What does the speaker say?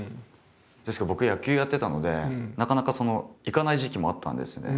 ですけど僕野球やってたのでなかなか行かない時期もあったんですね。